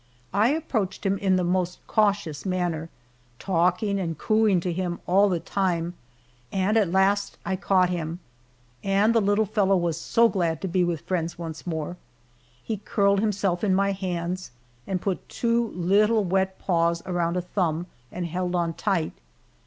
I approached him in the most cautious manner, talking and cooing to him all the time, and at last I caught him, and the little fellow was so glad to be with friends once more, he curled himself in my hands, and put two little wet paws around a thumb and held on tight.